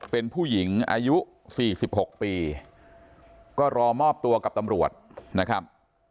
เป็นผู้หญิงอายุ๔๖ปีก็รอมอบตัวกับตำรวจนะครับ